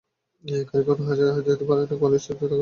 খানিকক্ষণ হাসা যেতে পারে না কি কোয়ালিস্টরা তাকে হাসতেও দেবে না?